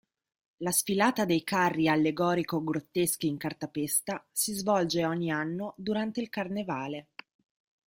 La sfilata dei carri allegorico-grotteschi in cartapesta si svolge ogni anno durante il carnevale.